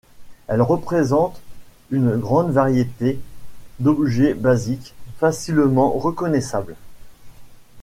Elles représentent une grande variété d'objets basiques facilement reconnaissables.